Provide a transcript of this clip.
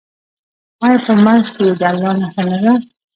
آیا په منځ کې یې د الله نښه نه ده؟